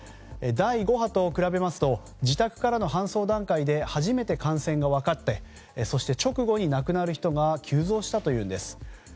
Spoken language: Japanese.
第５波と比べますと自宅からの搬送段階で初めて感染が分かって直後に亡くなる人が急増したというんです。